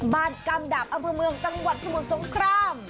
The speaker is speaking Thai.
กำดาบอำเภอเมืองจังหวัดสมุทรสงคราม